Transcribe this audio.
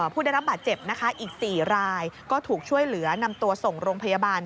ผู้ได้รับบาดเจ็บนะคะอีก๔รายก็ถูกช่วยเหลือนำตัวส่งโรงพยาบาล